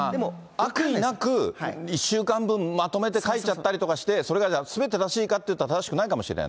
悪意なく、１週間分まとめて書いちゃったりして、それがじゃあすべて正しいかといったら、正しくないかもしれない。